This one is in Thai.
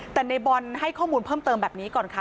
แต่ในบอลให้ข้อมูลเพิ่มเติมแบบนี้ก่อนค่ะ